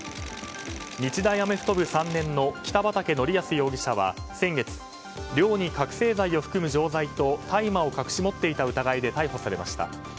日大アメフト部３年の北畠成文容疑者は先月寮に覚醒剤を含む錠剤と大麻を隠し持っていた疑いで逮捕されました。